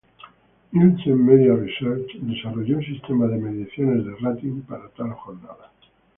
Nielsen Media Research desarrolló un sistema de mediciones de ratings para tal jornada.